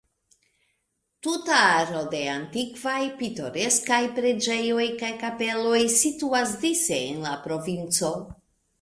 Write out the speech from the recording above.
Tuta aro da antikvaj, pitoreskaj preĝejoj kaj kapeloj situas dise en la provinco.